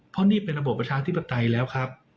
เพราะนี่เป็นระบบประชาธิปไตยแล้วครับ